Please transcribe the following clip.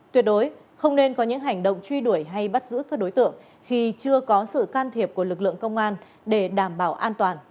tuyệt đối không nên có những hành động truy đuổi hay bắt giữ các đối tượng khi chưa có sự can thiệp của lực lượng công an để đảm bảo an toàn